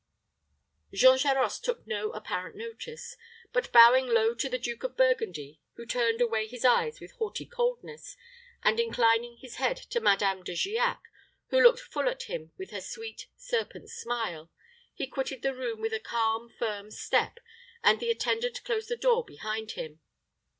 Jean Charost took no apparent notice; but bowing low to the Duke of Burgundy, who turned away his eyes with haughty coldness, and inclining his head to Madame De Giac, who looked full at him with her sweet, serpent smile, he quitted the room with a calm, firm step, and the attendant closed the door behind him.